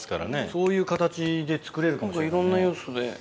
そういう形で作れるかもしれいろんな要素で。